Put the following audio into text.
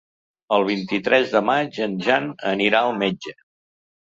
El vint-i-tres de maig en Jan anirà al metge.